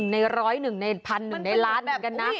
๑ในร้อย๑ในพัน๑ในล้านเหมือนกันนะ